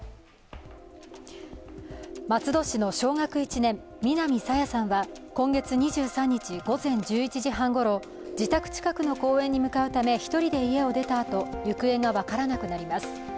松戸市の小学１年、南朝芽さんは今月２３日午前１１時半ごろ自宅近くの公園に向かうため１人で家を出たあと行方が分からなくなります。